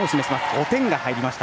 ５点が入りました。